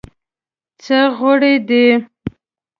څه غورې دي.